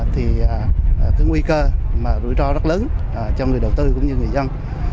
thì cái nguy cơ mà rủi ro rất lớn cho người đầu tư cũng như người dân